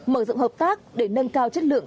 mở rộng hợp tác để nâng cao chất lượng